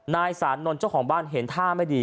นายสานนท์เจ้าของบ้านเห็นท่าไม่ดี